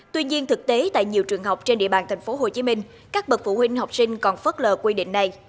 tuy nhiên thực tế tại nhiều trường học trên địa bàn tp hcm các bậc phụ huynh học sinh còn phớt lờ quy định này